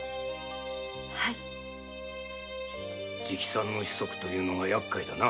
⁉直参の息子というのがやっかいだな。